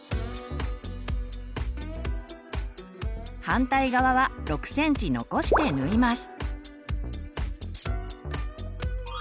反対側は６ｃｍ残して縫います。